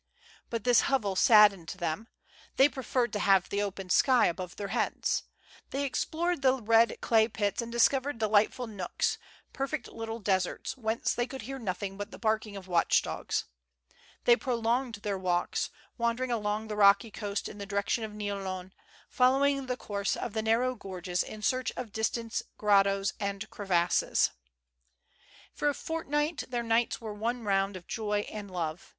But this hovel saddened them ; they preferred to have the open sky above their heads. They explored the red clay pits, they discovered delightful nooks, perfect little deserts^ whence they could hear nothing but the barking of watch dogs. They prolonged their walks, wandering along the rocky coast in the direction of Niolon, follow ing the course of the narrow gorges in search of distant grottoes and crevasses. For a fortnight tbeir nights were one round of joy and love.